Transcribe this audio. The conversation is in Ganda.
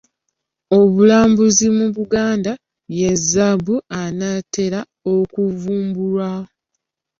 Obulambuzi mu Buganda ye zzaabu anaatera okuvumbulwa.